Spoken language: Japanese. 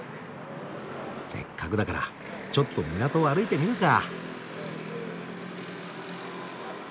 せっかくだからちょっと港を歩いてみるか。